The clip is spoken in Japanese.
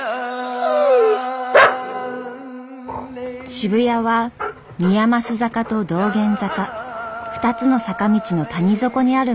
渋谷は宮益坂と道玄坂２つの坂道の谷底にある村でした。